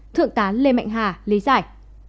thượng tá lê mạnh hà lấy giải